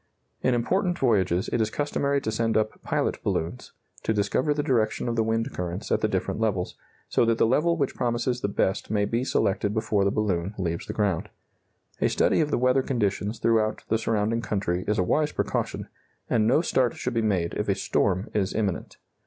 In important voyages it is customary to send up pilot balloons, to discover the direction of the wind currents at the different levels, so that the level which promises the best may be selected before the balloon leaves the ground. A study of the weather conditions throughout the surrounding country is a wise precaution, and no start should be made if a storm is imminent.